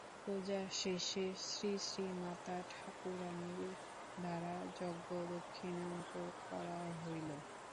পূজা-শেষে শ্রীশ্রীমাতাঠাকুরাণীর দ্বারা যজ্ঞদক্ষিণান্ত করা হইল।